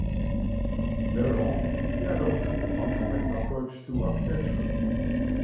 Later on he adopted the Functionalist approach to architecture.